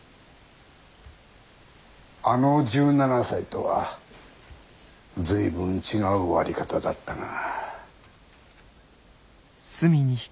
あの１７才とは随分違う終わり方だったが。